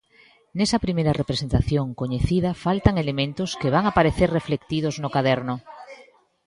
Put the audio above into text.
Nesa primeira representación coñecida faltan elementos que van aparecer reflectidos no caderno.